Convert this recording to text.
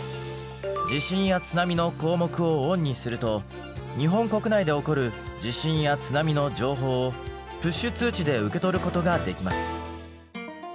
地震や津波の項目をオンにすると日本国内で起こる地震や津波の情報をプッシュ通知で受け取ることができます。